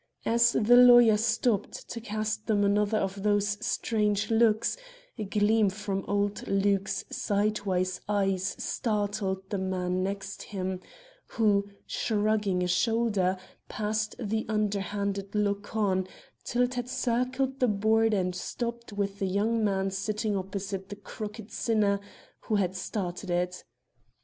As the lawyer stopped to cast them another of those strange looks, a gleam from old Luke's sidewise eyes startled the man next him, who, shrugging a shoulder, passed the underhanded look on, till it had circled the board and stopped with the man sitting opposite the crooked sinner who had started it.